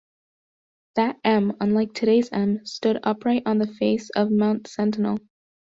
That "M," unlike today's "M," stood upright on the face of Mount Sentinel.